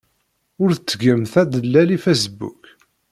Ur ttgemt adellel i Facebook.